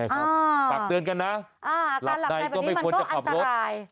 ฝากเตือนกันนะหลับในวันนี้มันก็อันตราย